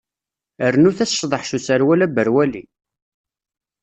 Rnut-as ccḍeḥ s userwal aberwali!